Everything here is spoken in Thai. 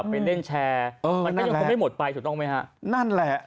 ไปเล่นแชร์มันยังคงไม่หมดไปถูกรอบไหมครับ